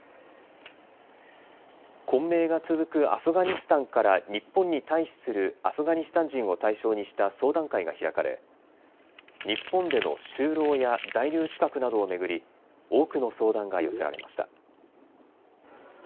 混迷が続くアフガニスタンから日本に退避するアフガニスタン人を対象にした相談会が開かれ日本での就労や在留資格などを巡り多くの相談が寄せられました。